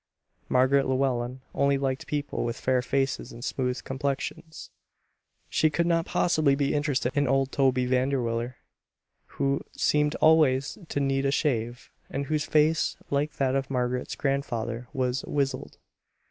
Margaret Llewellen only liked people with fair faces and smooth complexions; she could not possibly be interested in old Toby Vanderwiller, who seemed always to need a shave, and whose face, like that of Margaret's grandfather, was "wizzled."